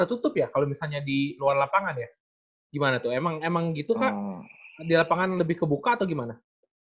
tutup ya kalau misalnya di luar lapangan ya gimana tuh emang emang gitu kak di lapangan lebih kebuka atau gimana